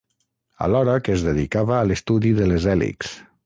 Alhora que es dedicava a l'estudi de les hèlixs.